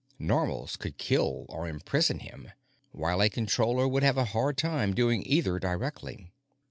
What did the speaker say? Normals could kill or imprison him, while a Controller would have a hard time doing either, directly.